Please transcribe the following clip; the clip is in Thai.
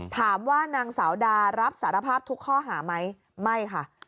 ถามว่านางสาวดารับสารภาพทุกข้อหาไหมไม่ค่ะ